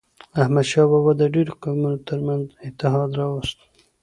احمدشاه بابا د ډیرو قومونو ترمنځ اتحاد راووست.